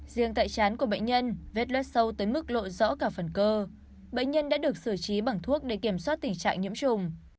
riêng tại chán của bệnh nhân vết loét sâu tới mức lộ rõ cả phần cơ bệnh nhân đã được xử trí bằng thuốc để kiểm soát tình trạng nhiễm trùng